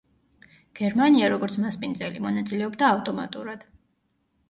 გერმანია, როგორც მასპინძელი, მონაწილეობდა ავტომატურად.